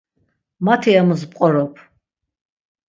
Mati emus p̌qorop.